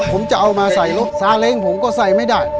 ผมจะเอามาใส่รถซาเล้งผมก็ใส่ไม่ได้